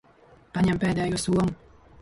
Paņem pēdējo somu.